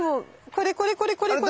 これこれこれこれ！